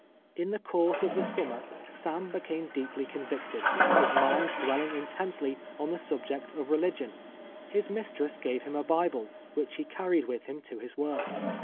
In the course of tlie summer Sam became deeply convicted, his mind dwelling intensely on the subject of religion. His mistress gave him a Bible, which lie carried with him to his work.